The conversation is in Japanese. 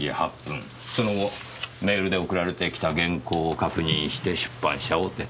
その後メールで送られてきた原稿を確認して出版社を出た。